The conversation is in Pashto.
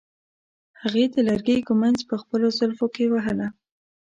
هغې د لرګي ږمنځ په خپلو زلفو کې وهله.